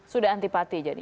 sudah antipati jadi